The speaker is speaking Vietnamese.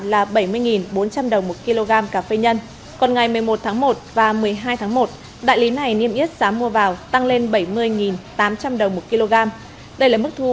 tại một đại lý cà phê ở xã ea cơ tu huyện trư quynh tỉnh đắk lắk ngày một mươi tháng một niêm yết giá mua vào là bảy mươi bốn trăm linh đồng một kg cà phê nhân